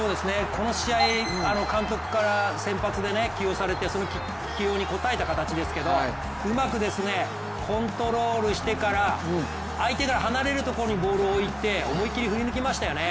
この試合、監督から先発で起用されてその起用に応えた形ですけどうまくコントロールしてから相手から離れるところにボールを置いて思いっきり振り抜きましたよね